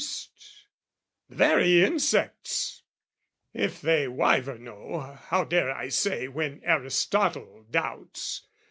The very insects...if they wive or no, How dare I say when Aristotle doubts?